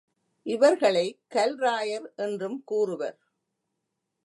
இவர்களைக் கல்ராயர் என்றும் கூறுவர்.